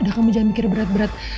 udah kamu jangan mikir berat berat